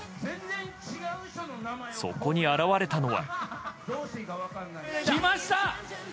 そこに現れたのは。